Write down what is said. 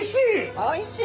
おいしい！